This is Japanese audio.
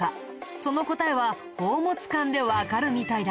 その答えは宝物館でわかるみたいだ。